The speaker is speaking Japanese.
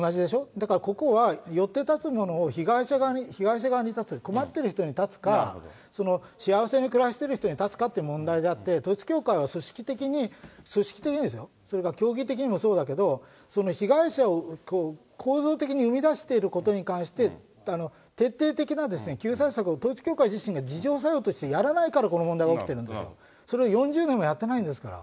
だからここは、よって立つものを被害者側に立つ、困ってる人に立つか、幸せに暮らしてる人に立つかっていう問題であって、統一教会は組織的に、組織的にですよ、それから教義的にもそうだけど、その被害者を構造的に生み出していることに関して、徹底的な救済策を統一教会自身が自浄作用としてやらないから、この問題が起きてるんで、それを４０年もやってないんですから。